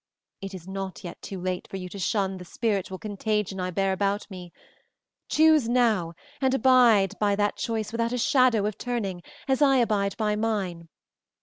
It is not yet too late for you to shun the spiritual contagion I bear about me. Choose now, and abide by that choice without a shadow of turning, as I abide by mine.